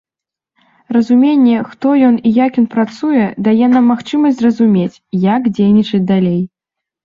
Разуменне, хто ён і як ён працуе, дае нам магчымасць зразумець, як дзейнічаць далей.